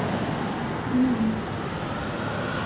Kksen-am-tt.